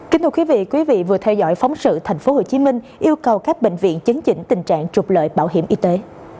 kính thưa quý vị quý vị vừa theo dõi phóng sự tp hcm yêu cầu các bệnh viện chấn chỉnh tình trạng trục lợi bảo hiểm y tế